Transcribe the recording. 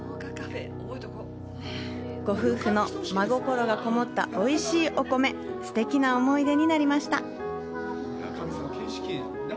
ご夫婦の真心がこもったおいしいお米すてきな思い出になりました。